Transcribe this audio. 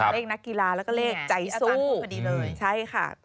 เลขนักกีฬาแล้วก็เลขใจสู้ใช้ค่ะ